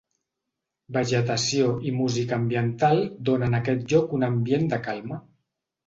Vegetació i música ambiental donen a aquest lloc un ambient de calma.